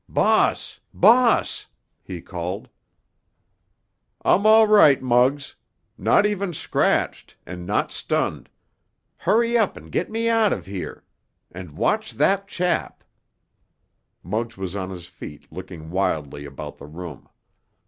"Boss! Boss!" he called. "I'm all right, Muggs! Not even scratched, and not stunned. Hurry up and get me out of here. And watch that chap——" Muggs was on his feet, looking wildly about the room.